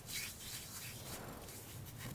Su arquitecto fue un griego.